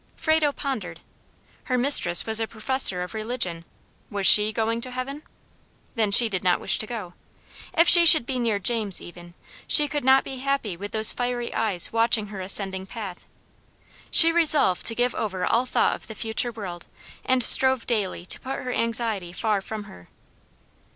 Frado pondered; her mistress was a professor of religion; was SHE going to heaven? then she did not wish to go. If she should be near James, even, she could not be happy with those fiery eyes watching her ascending path. She resolved to give over all thought of the future world, and strove daily to put her anxiety far from her.